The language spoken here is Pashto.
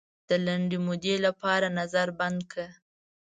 د لنډې مودې لپاره نظر بند کړ.